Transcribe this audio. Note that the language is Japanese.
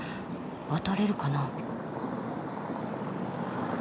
渡れるかな？